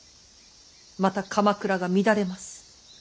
また鎌倉が乱れます。